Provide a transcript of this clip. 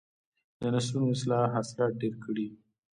د نسلونو اصلاح حاصلات ډیر کړي.